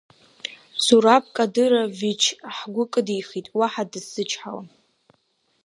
Зураб Кадырович ҳгәы кыдихит, уаҳа дысзычҳауам.